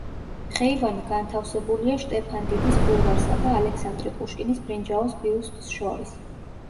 ხეივანი განთავსებულია შტეფან დიდის ბულვარსა და ალექსანდრე პუშკინის ბრინჯაოს ბიუსტს შორის.